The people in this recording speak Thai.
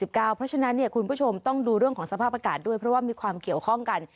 เพราะฉะนั้นคุณผู้ชมต้องดูเรื่องของสภาพอากาศด้วยเพราะว่ามีความเกี่ยวข้องกัน